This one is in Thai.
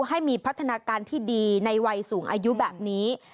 ให้มีพัฒนาการที่ดีในวัยสูงอายุแบบนี้